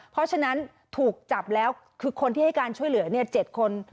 เพราะฉะนั้นถูกจับแล้วคือคนที่ให้การช่วยเหลือ๗คน